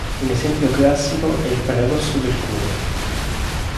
Un esempio classico è il paradosso del cuneo.